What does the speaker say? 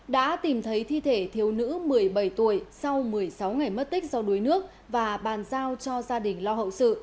đã tìm thấy thi thể thiếu nữ một mươi bảy tuổi sau một mươi sáu ngày mất tích do đuối nước và bàn giao cho gia đình lo hậu sự